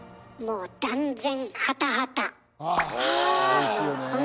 おいしいよねえ。